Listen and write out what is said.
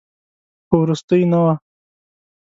خو وروستۍ نه وه.